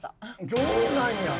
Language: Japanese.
そうなんや。